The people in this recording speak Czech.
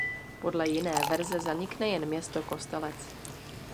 Podle jiné verze zanikne jen město Kostelec.